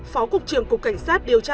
phó cục trường cục cảnh sát điều tra